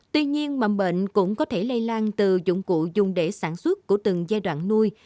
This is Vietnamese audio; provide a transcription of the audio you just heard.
tuy nhiên mầm bệnh cũng có thể lây lan từ dụng cụ dùng để sản xuất của từng giai đoạn nuôi